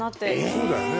そうだよね。